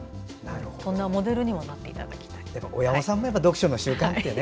そんなモデルにもなっていただきたい。